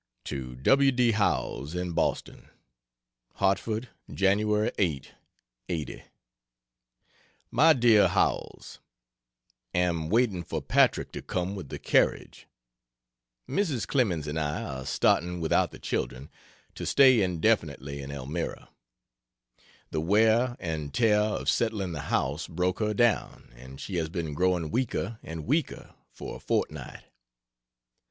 To W. D. Howells, in Boston: HARTFORD, Jan. 8, '80. MY DEAR HOWELLS, Am waiting for Patrick to come with the carriage. Mrs. Clemens and I are starting (without the children) to stay indefinitely in Elmira. The wear and tear of settling the house broke her down, and she has been growing weaker and weaker for a fortnight.